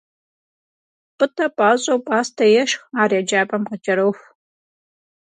Пӏытӏэ пӏащӏэу пӏастэ ешх, ар еджапӏэм къыкӏэроху.